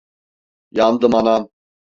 Yandım anam!